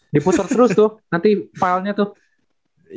dipusar terus tuh nanti filenya tuh